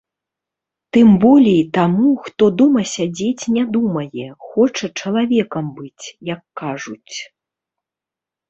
Тым болей таму, хто дома сядзець не думае, хоча чалавекам быць, як кажуць.